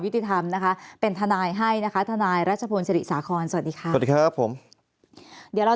ยุติธรรมนะคะเป็นทนายให้นะคะทนายรัชพลสวัสดีครับผมเดี๋ยวเรา